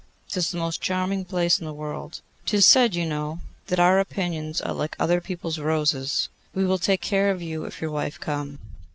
'Tis the most charming place in the world. 'Tis said, you know, that our onions are like other people's roses. We will take care of you, if your wife come.